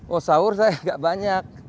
oh saur saya enggak banyak